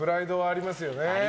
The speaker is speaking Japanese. ありますよ。